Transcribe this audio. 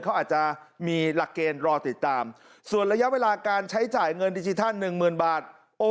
เขาอาจจะมีหลักเกณฑ์รอติดตามส่วนระยะเวลาการใช้จ่ายเงินดิจิทัล๑๐๐๐บาท